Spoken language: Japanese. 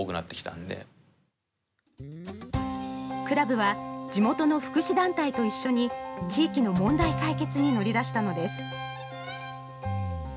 クラブは地元の福祉団体と一緒に地域の問題解決に乗り出したのです。